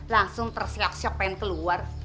langsung tersiak siok pengen keluar